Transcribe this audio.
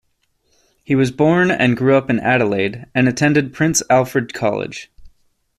He was born and grew up in Adelaide, and attended Prince Alfred College.